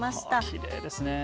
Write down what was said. きれいですね。